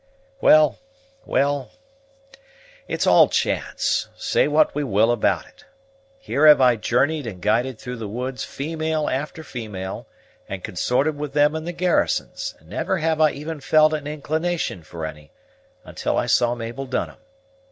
"Well, well, it's all chance, say what we will about it. Here have I journeyed and guided through the woods female after female, and consorted with them in the garrisons, and never have I even felt an inclination for any, until I saw Mabel Dunham.